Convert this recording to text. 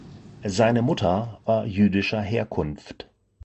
Seine Mutter war jüdischer Herkunft.